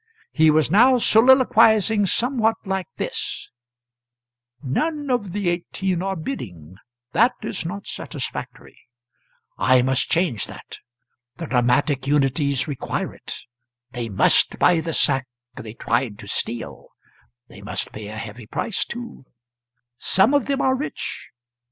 He was now soliloquising somewhat like this: "None of the Eighteen are bidding; that is not satisfactory; I must change that the dramatic unities require it; they must buy the sack they tried to steal; they must pay a heavy price, too some of them are rich.